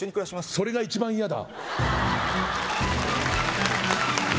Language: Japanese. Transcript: それが一番嫌だ